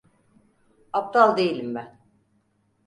Aptal değilim ben.